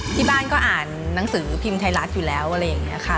ที่บ้านก็อ่านหนังสือพิมพ์ไทยรัฐอยู่แล้วอะไรอย่างนี้ค่ะ